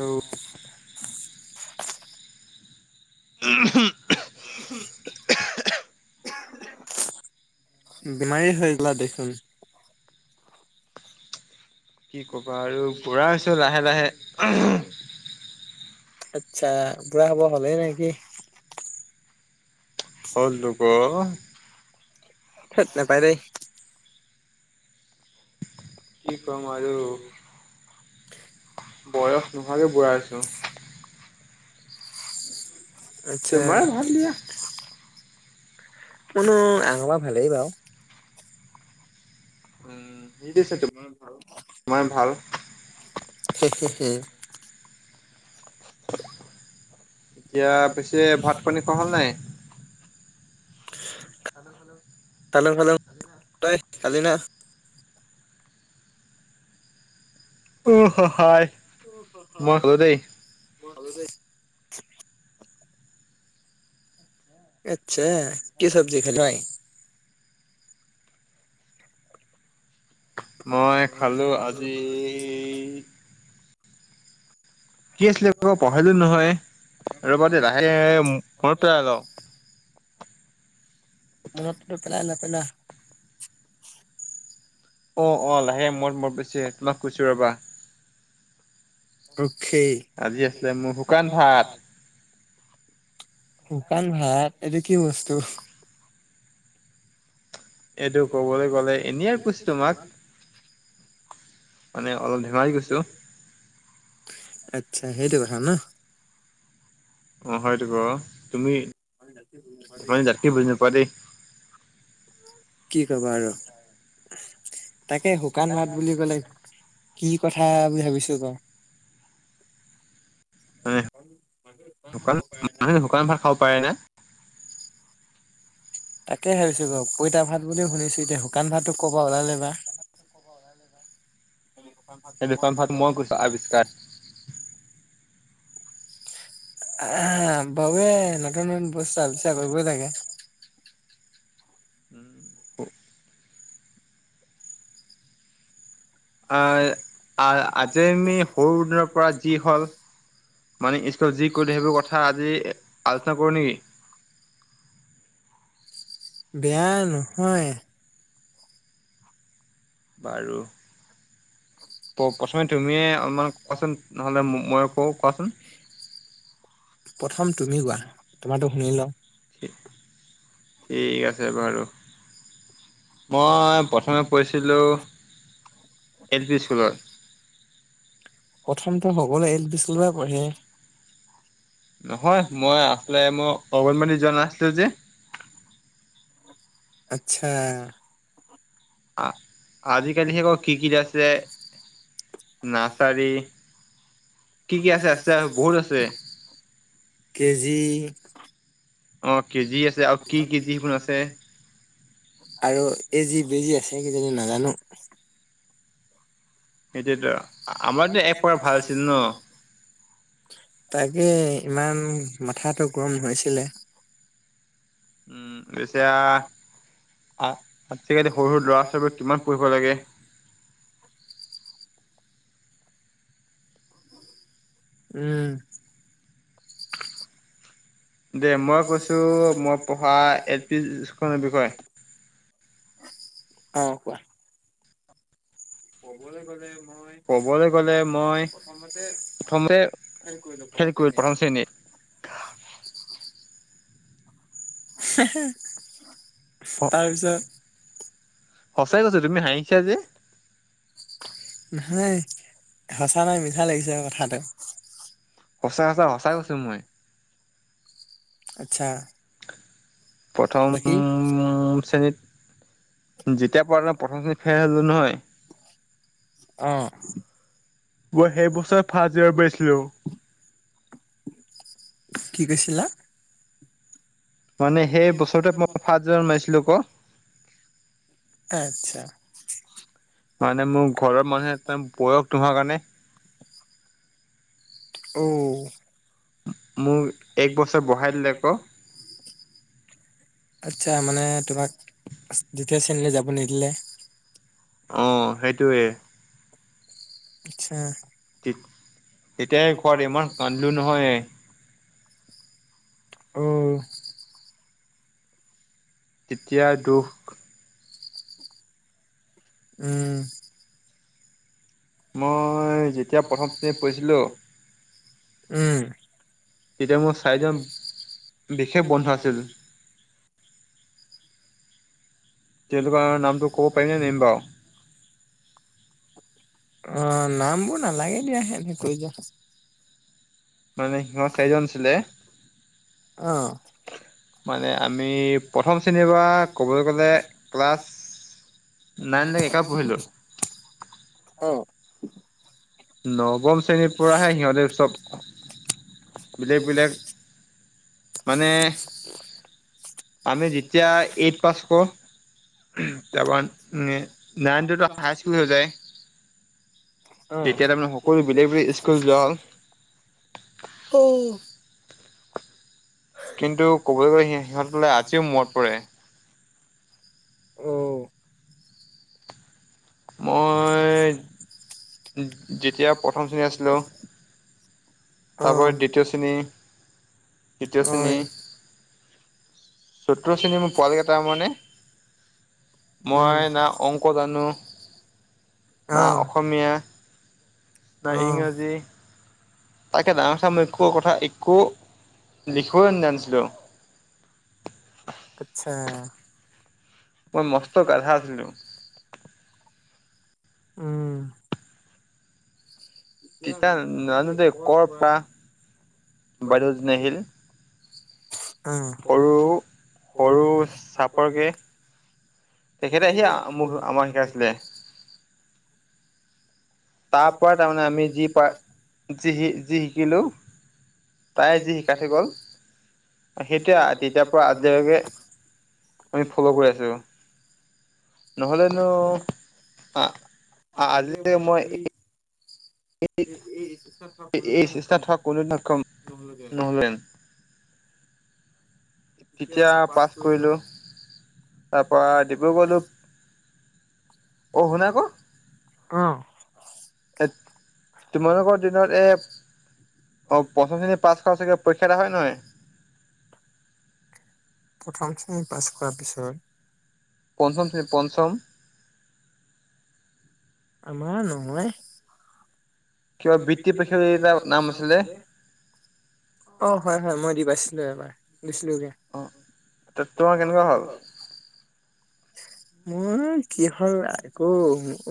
আৰু উ হ বেমাৰী হৈ গ'লা দেখোন কি ক'বা আৰু বুঢ়া হৈছো লাহে-লাহে আচ্ছা বুঢ়া হ'ব হলেই নেকি হ'ল আকৌ হেত নাপাই দেই কি কম আৰু বয়স নোহোৱাকে বুঢ়া হৈছোঁ। [inaudible] তোমাৰ ভাল দিয়া মোৰনো আগৰ পৰাই ভালেই বাৰু নি দিছে তো তোমাৰ ভাল? হে-হে- হে এতিয়া পিছে ভাত পানী খোৱা হ'ল নাই? খালো-খালো তই খালি নাই? অ', হ হায় অ', হ হয়াই মই খালো দেই আচ্ছা কি চবজি খালি হয় মই খালোঁ আজি কি আছিলে ৰহ পাহৰিলো নহয় ৰ'বা দে লাহেকে মনত পেলাই লও [unintelligible] মনত পেলাই ল পেলাহ অ', -অ', লাহে মৰ মৰ বেছে তোমাক কৈছোঁ ৰ'বা আজি আছিলে মোৰ শুকান ভাত। শুকান ভাত এইটো কি বস্তু এইটো ক'বলৈ গ'লে এনেই আৰু কৈছো তোমাক মানে অলপ ধেমালি কৰিছোঁ। আচ্ছা সেইটো কথা ন' অ', হয়তো আকৌ তুমি জাতকে বুজি নোপোৱা দেই কি কবা আৰু তাকে শুকান ভাত বুলি ক'লে কি কথা বুলি ভাবিছো আকৌ মানে শুকান মানে শুকান ভাত খাব পাৰেনে? তাকে ভাবিছো মই পইতা ভাত বুলিও শুনিছো এতিয়া শুকান ভাতো কৰপা ওলালে বা [inaudible] এই দুখন ভাত মই কৰিছোঁ আৱিষ্কাৰ এহ বাবে নতুন নতুন বস্তু আৱিষ্কাৰ কৰিবই লাগে [inaudible] অ', আজি আমি সৰু দিনৰ পৰা যি হ'ল মানে স্কুলত যি কৰিলে সেইবোৰ কথা আজি আলোচনা কৰোঁ নেকি? [inaudible] বেয়া নহয় বাৰু [inaudible] অ', প্ৰথম তুমি গোৱা তোমাৰো শুনি লওঁ ঠিক আছে বাৰু মই প্ৰথমে পঢ়ছিলোঁ এই [inaudible] প্ৰথমটো হ'লে এল পি স্কুলে পঢ়ে নহয় মই আফলাই মই অগনবাদি যোৱা আাছিলো যে আচ্ছা আহ আজিকালিে আকৌ কি-কি আছে? নাৰ্চাৰী কেজি অ' কেজি আছে আৰু কি কেজি কোন আছে। আৰু এজি বেজি আছে কিজানি নাজানো। সেইটোয়তো আমাৰতো একপ ভাল আছিল ন। তাকে ইমান মাথাটো গৰম হৈছিলে। উম, পেইছা আ আজি কালি সৰু-সৰু ল'ৰা ছোৱালী কিমান পঢ়িব লাগে। উম, দে মই কৈছোঁ মই পঢ়া এল পি স্কুল খন বিষয়ে অ' কোৱা? ক'বলৈ গ'লে [inaudible] ক'বলৈ গ'লে মই প্ৰথমতে ফেইল কৰিলো প্ৰথম শ্ৰেণীত হ [unintelligible] তাৰপিছত নাই সঁচা নাই মিছা লাগিছে কথাটো সঁচাই সচ সঁচাই কৈছো মই। আচ্ছা, প্ৰথম শ্ৰেণীত যেতিয়া পাৰ ত প্ৰথম শ্ৰেণীত ফেইল হলো নহয়। অহ মই সেই বছৰ ফাষ্ট ইয়াৰ পাইছিলো কি কৈছিলা? মানে সেই বছৰতে মই ফাৰ্ষ্ট জাৰ মাৰিছিলোঁ আকৌ। আচ্ছা, মানে মোৰ ঘৰৰ মানুহে বয়স তোমাৰ কাৰণে উ মোক এক বছৰ বঢ়াই দিলে আকৌ। আচ্ছা, মানে তোমাক দ্বিতীয় শ্ৰেণীলে যাব নিদিলে। অ' সেইটোৱে। আচ্ছা, তেতিযা ঘৰত ইমান কান্দিলো নহয়। অহ, তেতিয়া দুখ উম, মই যেতিয়া প্ৰথম শ্ৰেণীত পঢ়ছিলোঁ। উম, তেতিয়া মোৰ চাৰিজন বিশেষ বন্ধু আছিল। তেওঁলোকৰ নামটো ক'ব পাৰিনে নিম বাৰু। অ' নামবোৰ নালাগে দিয়া এনে কৈ যা। মানে সিহত কেইজন আছিলে। অহ, মানে আমি প্ৰথম শ্ৰেণীৰ পৰা ক'বলে গ'লে ক্লাছ। নাইন লাগে একাপ পঢ়িলোঁ। অ', নৱম শ্ৰেণীৰ পৰাহে সিহঁতেৰ চব। বেলেগ-বেলেগ মানে আমি যেতিয়া এইট পাছ কৰোঁ। তাৰপৰা নাইনথতো হাইস্কুল হৈ যায় তেতিয়া তাৰ মমানে সকলো বেলেগ বেলেগ স্কুল যোৱা হ'ল কিন্তু ক'বলৈ গ'লে সিহঁতলে আজিও মৰত পৰে অঁ মই যেতিয়া প্ৰথম শ্ৰেণী আছিলোঁ তাৰপ দ্বিতীয় শ্ৰেণী তৃতীয় শ্ৰেণী চতুৰ শ্ৰেণী মোৰ পোৱালকেইটা মনেে মই না অংকদানু ন অসমীয়া ন ইংৰাজী তাকে ডাঙৰ চ ম এক কথা একো লিখিব নাজানিছিলো মই মস্ত গধা আছিলোঁ উম তিতা নানোতে কৰ পৰা বাইদেউ ন আহিল সৰু সৰু চাপৰকে তেখেতে সি আমাৰ শেিকে আছিলে তাৰ পৰাৰা তাৰমানে আমি যি প যিি যি শিকিলোঁ [unintelligible] তাই যি শিকাই থৈ গ'ল সেইটোৱে তেতিয়াৰ পৰা আজিলৈকে তমি খবৰ গ আছিব নহ'লে নো আজিল মই উ এই চেষ্টা থকা কোনো সক্ষম নহল তেতিয়া পাছ কৰিলোঁ তাৰপৰা ডিব্ৰুগড়লৈ অ শুনাক অ তোমালোকৰ দিনত এ অ প্ৰথম শ্ৰেণীৰ পাছ কৰাাৰ হৈছে পৰীক্ষা এটা হয় নহয় প্ৰথম শ্ৰেণী পাছ কৰাৰ পিছত পঞ্চম চিন পঞ্চম আম নোাই অ হয় হয় মই দি পাইছো দে বাই দিছিলোগে হয় মোৰ কি হল আৌ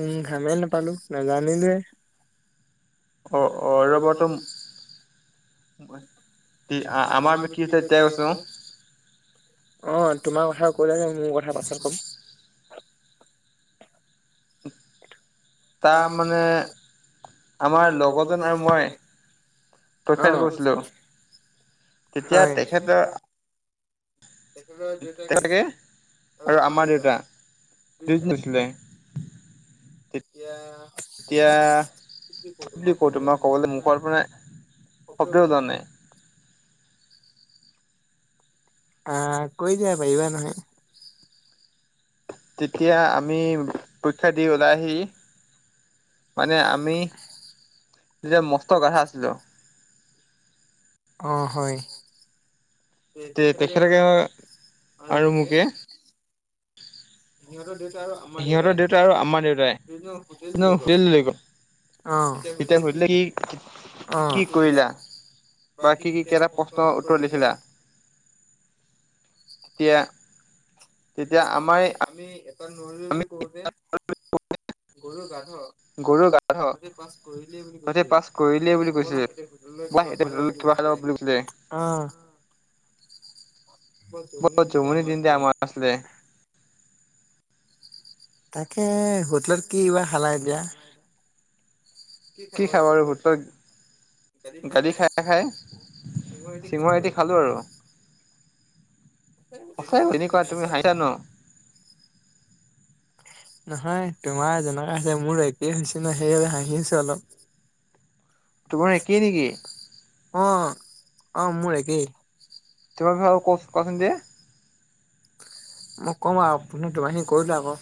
উমঘামেই নাপালো নাজানিলোে [unintelligible] অ অ ৰ'ব টো আমাৰ কিছে এতিয়াই কৈছো [unintelligible] তোমাৰ কথা কৈলে যে মোৰ কথা পাছত কম তাৰমানানে আমাৰ লগৰজন আৰু মই পক্ষাতিবছিলোঁ [unintelligible] তেতিয়া তেখেতৰ তেকে আৰু আমাৰ দেউতা বিজ বিছিলে এতিয়া এতিয়া কি বুলি ক তোমাক কবলে মুখ পৰা নাই অপ্ৰদানে আহ কৈ যা পাৰিবা নহয় তেতিয়া আমি পৰীক্ষা দি ওলাইহি মানে আমি যেতি মস গাথাা আছিলো অ হয় তে তেখেতকে আৰু মোকে নি সিহঁতৰ দেউতা আৰু আমাৰ দেউতাই হোটেল লৈ গল তেতিয়া সুধিলে কি, কি কইলা? বা কি কি, কেটা প্ৰশ্নৰ উত্তৰ লিখিলা? তিয়া। তেতিয়া আমাৰ এ আমি এটা নোৱাৰিলো বুলি কওঁতে গৰু গা অ' তাতে পাছ কইলে বুলি কৈছে। ব'লা ইয়াতে হোটেলতে কিবা খাই লওঁ। অ'। ব জুমুনি দিন দে আমাৰ আছিলে। তাকে হোটেলত কি বা খালাই দিয়া। কি খাব আৰু হোটত গালি খাই খাই চিঙৰাটি খালোঁ আৰু। সঁচাই অ' এনেকুৱা তুমি হাইছা ন? নহয় তোমাৰ জোনাক আছে, মোৰ একেই হৈছে ন সেইবাবে হাঁহিছো অলপ। মোৰ একেই। অ', অ' মোৰ একে। তোৰ ভাগ কচ, কচোন দে। মই কম আপুনি তোমাখিনি কই লোৱা আকৌ।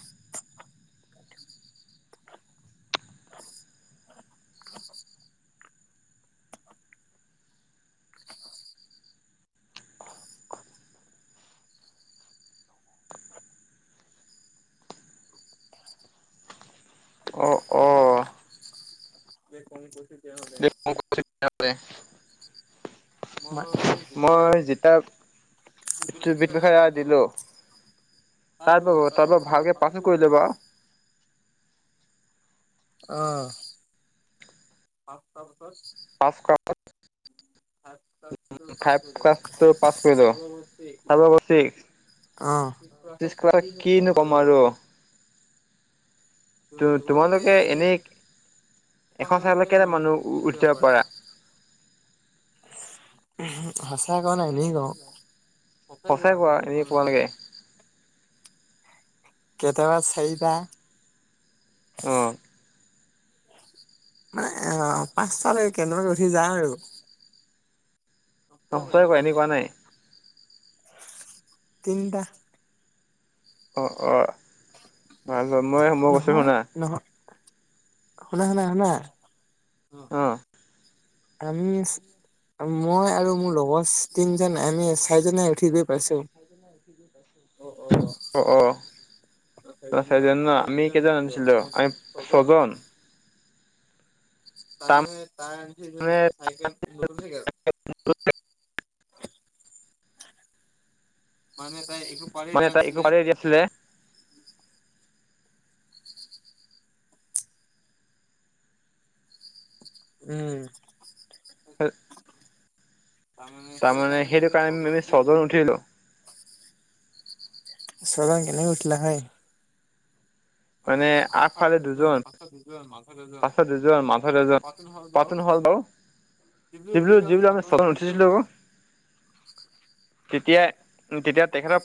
[inaudible] অ', অ'। বে কোন কৈছিল? [unintelligible] মই যিতা টুবিত মোখা দিলোঁ। তাৰ পো, তাৰ পা ভালকে পাছো কইলে বাও। অ'। আফকা [unintelligible] আতছা। ফাইভ ক্লাছটো পাছ কইলো। তাপা গুচি অ'। ত' তোমালোকে এনেই এখন চাইকেলত কেইটা মানুহ উঠ যাব পাৰা? সঁচা ক নে এনেই ক [unintelligible] কেতাবা চাইটা। মানে অ' পাঁচটালৈকে [unintelligible] উঠি যা আৰু। অ' সঁচাই কোৱা, এনে কোৱা নাই। তিনটা। অ', অ' ভাল হয় মই, মই কছোঁ শুনা। শুনা, শুনা, শুনা। অ'। আমিচ, মই আৰু মোৰ লগৰ তিনজন আমি চাৰিজনে উঠি গৈ উ চাইজনে উঠি গৈ পাইছোঁ। অ', অ'। অ' চাৰিজন ন? আমি কেজন উঠিছিলো, আমি ছজন। তাৰমানে তাৰ [unintelligible] চাইকেল নতুন চাইকেল। মানে মানে তাই একো বাৰে আছিলে। উ। [inaudible] তাৰমানে, হেটো কাৰণে মানে ছজন উঠিলো। এ চজন কেনে উঠিলা হয়। মানে আগফালে দুজন, পাছফা দুজন, মাজৰ দুজন। থকাটোন হ'ল বাও। বাও যিবিলাক, যিবিলাক আমি চটত উঠিছিলো তেতিয়া, তেতিয়া তেখেত